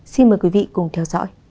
xin mời quý vị cùng theo dõi